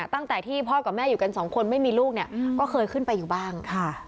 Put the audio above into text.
ตั้งแต่ที่พ่อกับแม่อยู่กันสองคนไม่มีลูกเนี่ยก็เคยขึ้นไปอยู่บ้าง